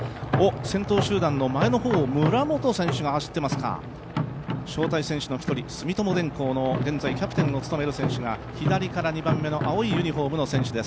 先頭集団、前の方村本選手が走っていますか、招待選手の１人、住友電工の現在キャプテンを務める選手が左から２番目の青いユニフォームの選手です。